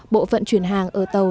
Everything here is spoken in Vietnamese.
bộ phận chuyển hàng ở tàu